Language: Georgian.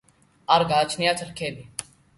არ გააჩნიათ რქები.